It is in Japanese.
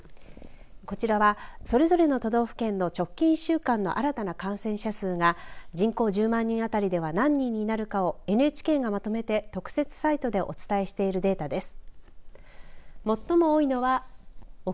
こちらは、それぞれの都道府県の直近１週間の新たな感染者数が人口１０万人あたりでは何人になるかをＮＨＫがまとめて特設サイトでお伝えしているデータです。